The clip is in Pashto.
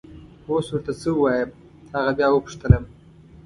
اوس ور ته څه ووایم! هغه بیا وپوښتلم.